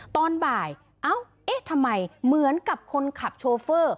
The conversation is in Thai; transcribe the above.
ตอนบ่ายเอ้าเอ๊ะทำไมเหมือนกับคนขับโชเฟอร์